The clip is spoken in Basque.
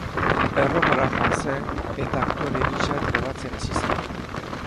Erromara joan zen, eta aktore gisa trebatzen hasi zen.